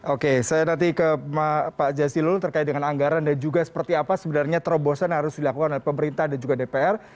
oke saya nanti ke pak jasilul terkait dengan anggaran dan juga seperti apa sebenarnya terobosan yang harus dilakukan oleh pemerintah dan juga dpr